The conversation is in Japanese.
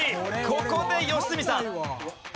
ここで良純さん。